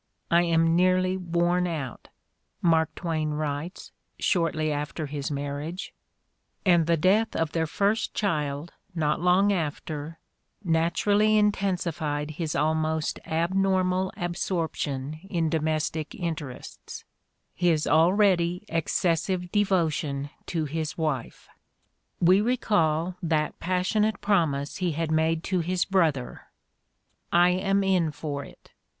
I am nearly worn out," Mark Twain writes, shortly after his marriage; and the death of their first child, not long after, naturally intensified his almost abnormal absorption in domestic interests, his 114 The Ordeal of Mark Twain already excessive devotion to his wife. We recall that passionate promise he had made to his brother: "I am in for it.